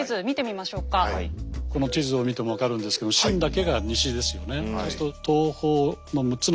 この地図を見ても分かるんですけど秦だけが西ですよね。